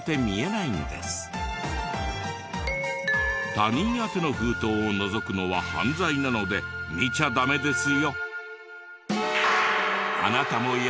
他人宛ての封筒をのぞくのは犯罪なので見ちゃダメですよ。